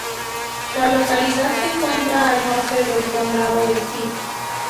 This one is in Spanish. La localidad se encuentra al norte del condado de St.